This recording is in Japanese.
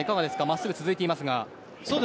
真っすぐが続いていますが。